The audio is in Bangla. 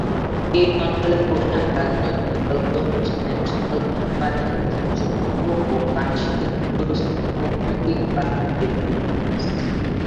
এই অঞ্চলের প্রধান রাজনৈতিক দলগুলো হচ্ছে ন্যাশনাল কনফারেন্স, জম্মু ও কাশ্মীর পিপলস ডেমোক্রেটিক পার্টি এবং কংগ্রেস।